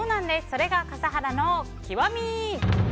それが笠原の極み！